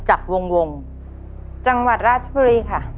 จังหวัดราจบุรีค่ะ